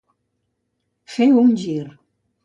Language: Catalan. Fer un gir.